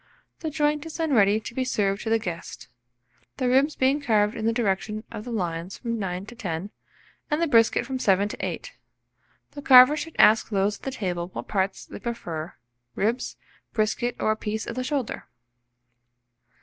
The joint is then ready to be served to the guests; the ribs being carved in the direction of the lines from 9 to 10, and the brisket from 7 to 8. The carver should ask those at the table what parts they prefer ribs, brisket, or a piece of the shoulder.